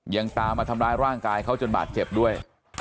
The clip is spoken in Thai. ยังตามมาทำร้ายร่างกายเขาจนบาดเจ็บด้วย